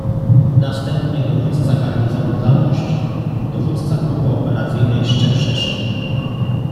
Następnie dowódca garnizonu Zamość, dowódca Grupy Operacyjnej Szczebrzeszyn.